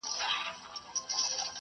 ښکارېدی چی بار یې دروند وو پر اوښ زور وو